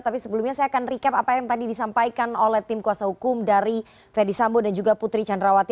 tapi sebelumnya saya akan recap apa yang tadi disampaikan oleh tim kuasa hukum dari verdi sambo dan juga putri candrawati